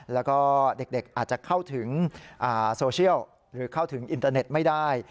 แล้วก็เด็กอาจจะเข้าถึงโซเชียลหรือเข้าถึงอินเตอร์เน็ตไม่ได้